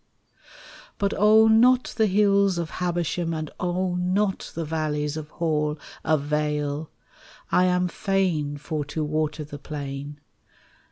But oh, not the hills of Habersham, And oh, not the valleys of Hall Avail: I am fain for to water the plain.